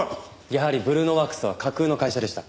やはりブルーノワークスは架空の会社でした。